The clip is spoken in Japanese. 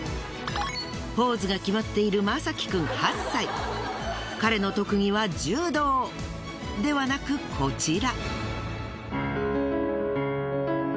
ポーズが決まっている彼の特技は柔道ではなくこちら。